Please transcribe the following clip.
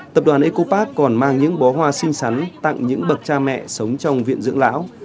tập đoàn ecopad còn mang những bó hoa xinh xắn tặng những bậc cha mẹ sống trong viện dưỡng lão